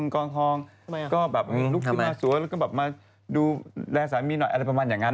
ก็ลุกขึ้นมาสวยแล้วก็มาดูแค่แภกสามีหน่อยอะไรพอมั่นอย่างน์